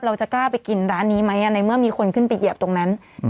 เราจะกล้าไปกินร้านนี้ไหมในเมื่อมีคนขึ้นไปเหยียบตรงนั้น